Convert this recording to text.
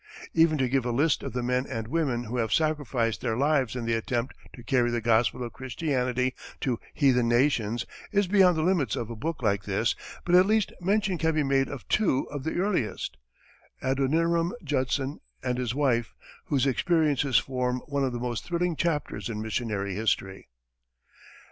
Even to give a list of the men and women who have sacrificed their lives in the attempt to carry the gospel of Christianity to heathen nations is beyond the limits of a book like this, but at least mention can be made of two of the earliest, Adoniram Judson and his wife, whose experiences form one of the most thrilling chapters in missionary history.